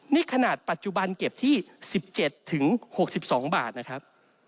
นี่ขนาดปัจจุบันเก็บที่๑๗๖๒บาทนะครับ